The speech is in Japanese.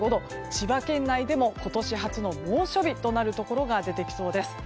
千葉県内でも、今年初の猛暑日となるところが出てきそうです。